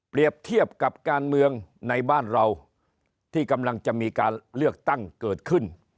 เทียบกับการเมืองในบ้านเราที่กำลังจะมีการเลือกตั้งเกิดขึ้น